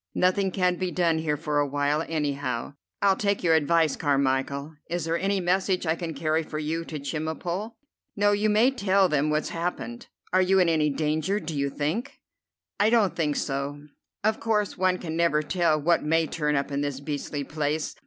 Nothing can be done here for a while, any how." "I'll take your advice, Carmichel. Is there any message I can carry for you to Chemulpo?" "No, you may tell them what's happened." "Are you in any danger, do you think?" "I don't think so. Of course, one can never tell what may turn up in this beastly place.